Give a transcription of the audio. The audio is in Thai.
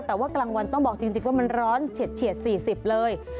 แต่ว่ากลางวันต้องบอกจริงว่ามันร้อนเฉียด๔๐เลย